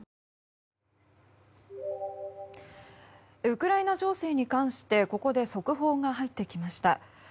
ウクライナ情勢に関してここで速報が入ってきました。